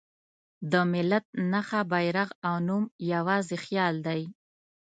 د ملت نښه، بیرغ او نوم یواځې خیال دی.